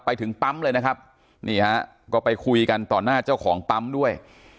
ไปถึงปั๊มเลยนะครับนี่ฮะก็ไปคุยกันต่อหน้าเจ้าของปั๊มด้วย